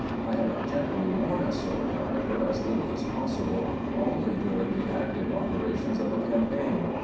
I have generally worn a sword, however, as little as possible — only during the active operations of a campaign."